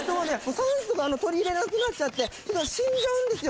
酸素取り入れなくなっちゃって死んじゃうんですよ